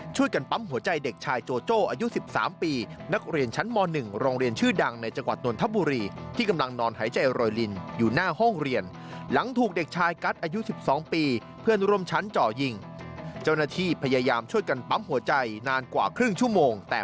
จอบประเด็นจากรายงานครับ